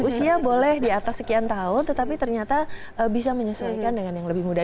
usia boleh di atas sekian tahun tetapi ternyata bisa menyesuaikan dengan yang lebih muda